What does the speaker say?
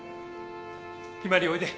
ひまりおいで。